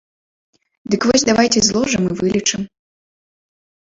Дык вось давайце зложым і вылічым.